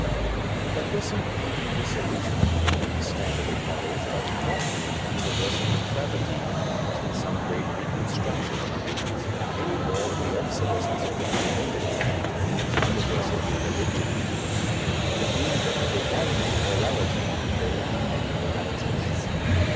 But this impending dissolution of a common standard of morals does not mean universal depravity until some great reconstruction obtains any more than the obsolescence of the Conventicle Act means universal irreligion. It means that for one Morality there will be many moralities.